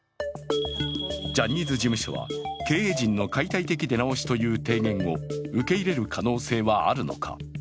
ジャニーズ事務所は経営陣の解体的な出直しという提言を受け入れる可能性はあるのか？